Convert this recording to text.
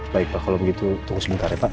baik pak kalau begitu tunggu sebentar ya pak